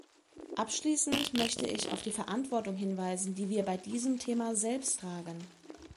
Abschließend möchte ich auf die Verantwortung hinweisen, die wir bei diesem Thema selbst tragen.